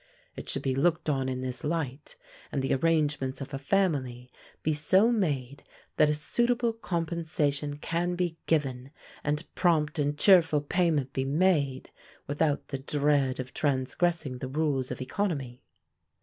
It should be looked on in this light, and the arrangements of a family be so made that a suitable compensation can be given, and prompt and cheerful payment be made, without the dread of transgressing the rules of economy.